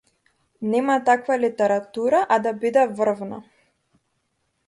Нема таква литература, а да биде врвна.